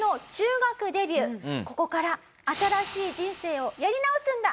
ここから新しい人生をやり直すんだ！